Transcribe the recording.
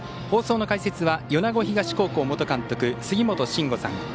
放送の解説は米子東高校元監督杉本真吾さん。